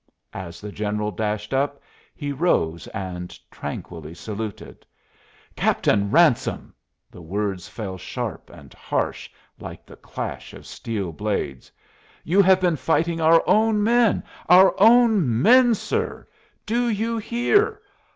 As the general dashed up he rose and tranquilly saluted. "Captain Ransome!" the words fell sharp and harsh, like the clash of steel blades "you have been fighting our own men our own men, sir; do you hear?